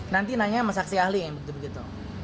nanti nanya sama saksi ahli yang begitu begitu